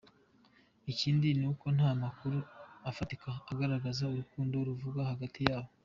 Ikindi ni uko nta makuru afatika agaragaza urukundo ruvugwa hagati yabo .